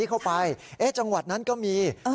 แบบเข้าไปเอ๊ะจังหวัดนั้นก็มีอื้อ